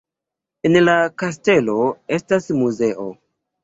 En la kastelo estas muzeo.